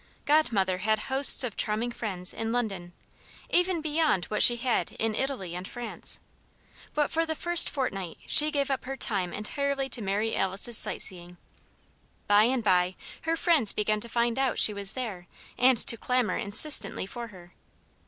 Godmother had hosts of charming friends in London, even beyond what she had in Italy and France; but for the first fortnight she gave up her time entirely to Mary Alice's sightseeing. By and by her friends began to find out she was there and to clamour insistently for her.